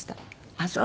あっそう。